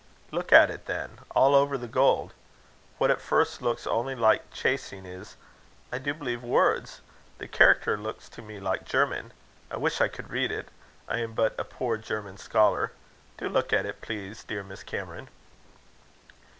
"Look at it, then all over the gold. What at first looks only like chasing, is, I do believe, words. The character looks to me like German. I wish I could read it. I am but a poor German scholar. Do look at it, please, dear Miss Cameron."